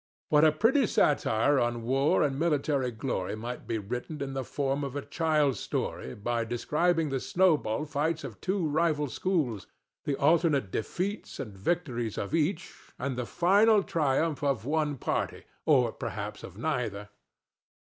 What a pretty satire on war and military glory might be written in the form of a child's story by describing the snow ball fights of two rival schools, the alternate defeats and victories of each, and the final triumph of one party, or perhaps of neither!